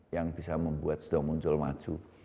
yang bisa membuat sido muncul maju